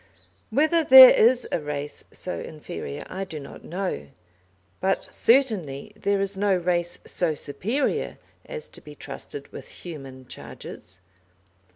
Whether there is a race so inferior I do not know, but certainly there is no race so superior as to be trusted with human charges.